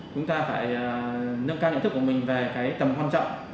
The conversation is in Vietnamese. chúng ta phải nâng cao nhận thức của mình về cái tầm quan trọng